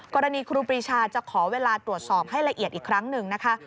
ครูปรีชาจะขอเวลาตรวจสอบให้ละเอียดอีกครั้งหนึ่งนะคะ